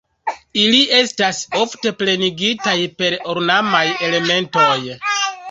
Ili estas ofte plenigitaj per ornamaj elementoj.